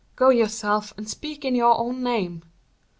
Go yourself, and speak in your own name."